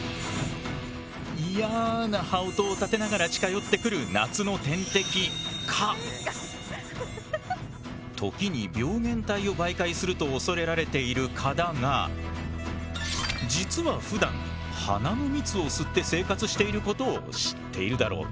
嫌な羽音を立てながら近寄ってくる夏の天敵時に病原体を媒介すると恐れられている蚊だが実は普段花の蜜を吸って生活していることを知っているだろうか。